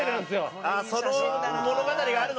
その物語があるのね。